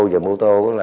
và mô tô